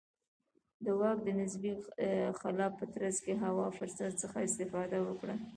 د واک د نسبي خلا په ترڅ کې هوا فرصت څخه استفاده وکړه.